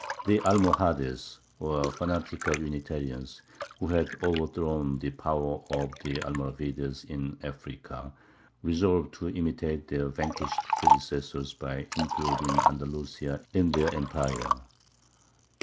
The Almohades, or fanatical "Unitarians," who had overthrown the power of the Almoravides in Africa, resolved to imitate their vanquished predecessors by including Andalusia in their empire.